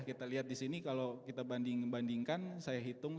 kita lihat di sini kalau kita banding bandingkan saya hitung